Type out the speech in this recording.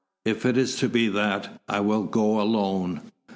"If it is to be that, I will go alone."